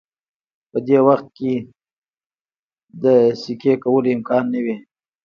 په دې وخت کې د سکی کولو امکان نه وي